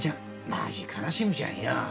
マジ悲しむじゃんよ。